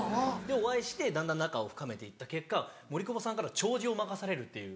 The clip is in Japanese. お会いしてだんだん仲を深めていった結果森久保さんから弔辞を任されるっていう。